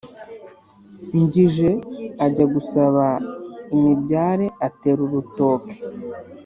ngije ajya gusaba imibyare atera urutoke